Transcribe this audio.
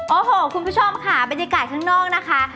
โอ้โหคุณผู้ชมค่ะบรรยากาศข้างนอกนะคะ